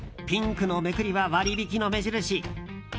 ピンクのめくりは割引の目印。